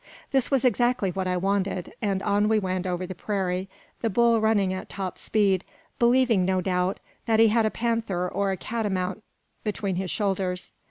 This was exactly what I wanted; and on we went over the prairie, the bull running at top speed, believing, no doubt, that he had a panther or a catamount between his shoulders.